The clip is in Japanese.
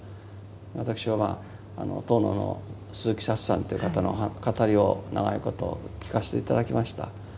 私はまあ遠野の鈴木サツさんという方の語りを長いこと聞かせて頂きました。